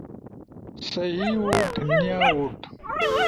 سہی ووٹ، نیا ووٹ